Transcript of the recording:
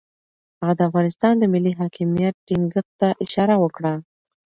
هغه د افغانستان د ملي حاکمیت ټینګښت ته اشاره وکړه.